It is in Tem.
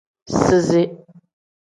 Sizi.